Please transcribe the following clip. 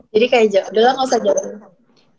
jadi kayak jauh jauh gak usah jauh